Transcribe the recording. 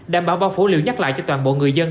đảm bảo báo phủ liều nhắc lại cho toàn bộ người dân